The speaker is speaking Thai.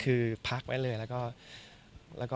ก็มีไปคุยกับคนที่เป็นคนแต่งเพลงแนวนี้